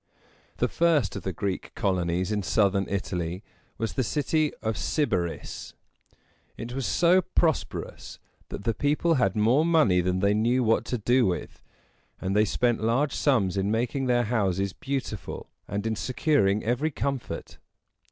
The first of the Greek colonies in southern Italy was the city of Syb´a ris. It was so prosperous that the people had more money than they knew what to do with; and they spent large sums in making their houses beautiful and in securing every comfort.